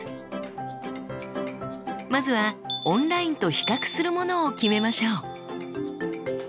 まずはオンラインと比較するものを決めましょう。